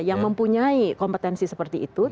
yang mempunyai kompetensi seperti itu